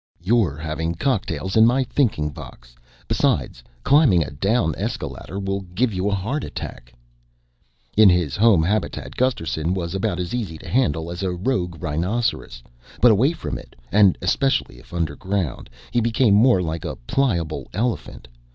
"You're having cocktails in my thinking box. Besides, climbing a down escaladder will give you a heart attack." In his home habitat Gusterson was about as easy to handle as a rogue rhinoceros, but away from it and especially if underground he became more like a pliable elephant.